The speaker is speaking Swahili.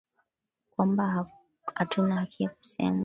Kwamba hatuna haki ya kusema